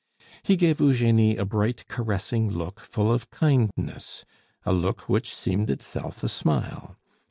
He gave Eugenie a bright, caressing look full of kindness, a look which seemed itself a smile.